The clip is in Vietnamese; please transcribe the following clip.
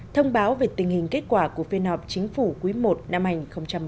thông báo về tình hình kết quả của phiên họp chính phủ quý i năm hành một mươi bảy